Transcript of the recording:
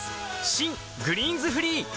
新「グリーンズフリー」